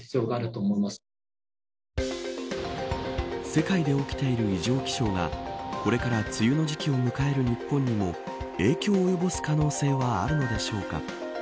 世界で起きている異常気象がこれから梅雨の時期を迎える日本にも影響を及ぼす可能性はあるのでしょうか。